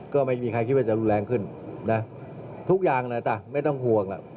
ก็ไม่มีใครคิดว่าจะรุนแรงขึ้นทุกอย่างไม่ต้องห่วง